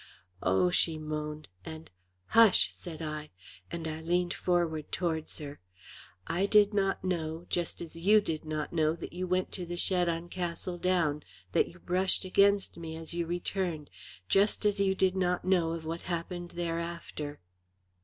"Oh!" she moaned, and, "Hush!" said I, and I leaned forward towards her. "I did not know, just as you did not know that you went to the shed on Castle Down, that you brushed against me as you returned, just as you did not know of what happened thereafter."